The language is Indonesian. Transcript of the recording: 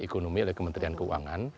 ekonomi oleh kementerian keuangan